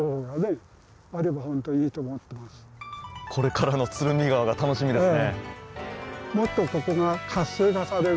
これからの鶴見川が楽しみですね。